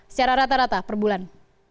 secara rata rata per bulan